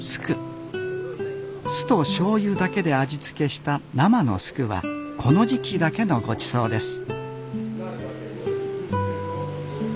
酢としょうゆだけで味付けした生のスクはこの時期だけのごちそうです